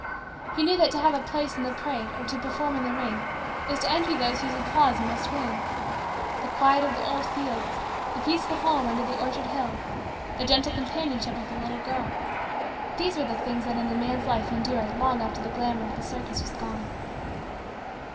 He knew that to have a place in the parade or to perform in the ring, is to envy those whose applause you must win. The quiet of the old fields; the peaceful home under the orchard hill; the gentle companionship of the little girl; these were the things that in the man's life endured long after the glamor of the circus was gone.